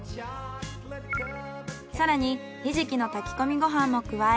更にひじきの炊き込みご飯も加え